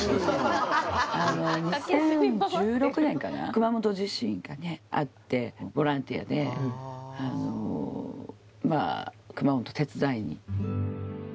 ２０１６年かな？があってボランティアで熊本手伝いに。